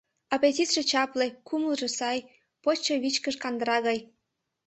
Аппетитше чапле, кумылжо сай, почшо вичкыж кандыра гай.